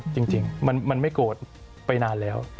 จริงมันไม่โกรธไปนานแล้ว